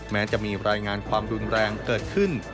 แม้จะมีรายงานความรุนแรงเกิดขึ้น